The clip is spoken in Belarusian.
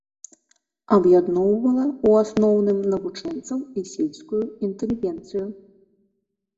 Аб'ядноўвала ў асноўным навучэнцаў і сельскую інтэлігенцыю.